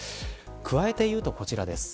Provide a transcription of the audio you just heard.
加えて言うと、こちらです。